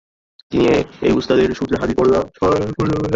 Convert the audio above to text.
তিনি এই উস্তাদের সূত্রে হাদিস বর্ণনা সম্পূর্ণরূপে ত্যাগ করেন’’।